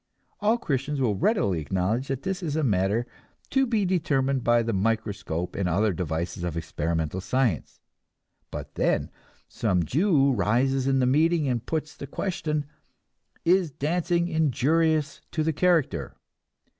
All Christians will readily acknowledge that this is a matter to be determined by the microscope and other devices of experimental science; but then some Jew rises in the meeting and puts the question: Is dancing injurious to the character?